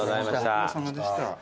ご苦労さまでした。